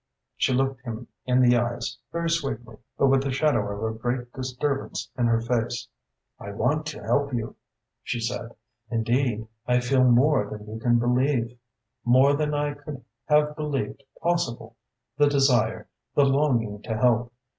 She looked him in the eyes, very sweetly, but with the shadow of a great disturbance in her face. "I want to help you," she said. "Indeed, I feel more than you can believe more than I could have believed possible the desire, the longing to help.